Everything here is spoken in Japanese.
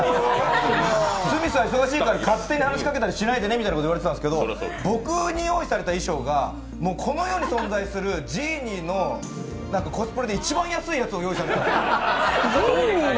スミスは忙しいから勝手に話しかけないでねって言われたんですけど僕に用意された衣装がこの世に存在するジーニーのコスプレで一番安いやつを用意されたんです。